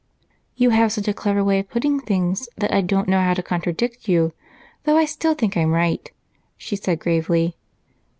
"You have such a clever way of putting things that I don't know how to contradict you, though I still think I'm right," she said gravely.